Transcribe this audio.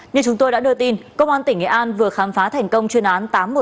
như chúng tôi đã đưa tin công an tp hcm vừa khám phá thành công chuyên án tám trăm một mươi tám